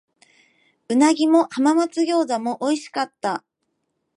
鰻も浜松餃子も美味しかった。